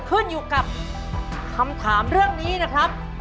ขึ้นอยู่กับคำถามเรื่องนี้นะครับ